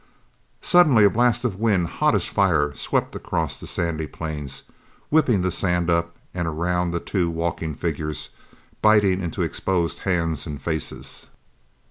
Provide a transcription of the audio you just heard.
Suddenly a blast of wind, hot as fire, swept across the sandy plains, whipping the sand up and around the two walking figures, biting into exposed hands and faces.